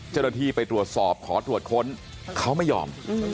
เจ้าหน้าที่ไปตรวจสอบขอตรวจค้นเขาไม่ยอม